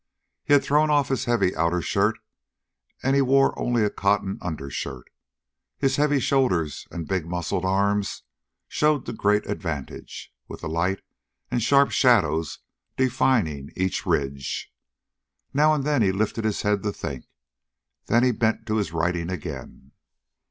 He had thrown off his heavy outer shirt, and he wore only a cotton undershirt. His heavy shoulders and big muscled arms showed to great advantage, with the light and sharp shadows defining each ridge. Now and then he lifted his head to think. Then he bent to his writing again.